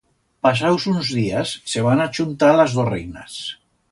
Pasaus uns días se van achuntar las dos reinas.